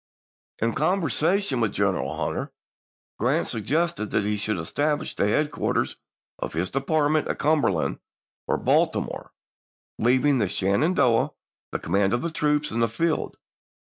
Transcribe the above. In conversation with General Hunter, Grant sug gested that he should establish the headquarters of his department at Cumberland or Baltimore, leav ing to Sheridan the command of the troops in the field.